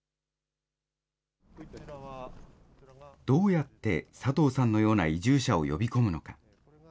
どうやって佐藤さんのような移住者を呼び込むのか。